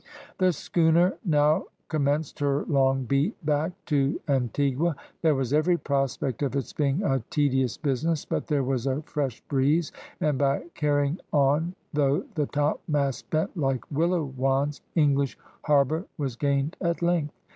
The schooner now commenced her long beat back to Antigua. There was every prospect of its being a tedious business; but there was a fresh breeze, and by carrying on, though the top masts bent like willow wands, English Harbour was gained at length.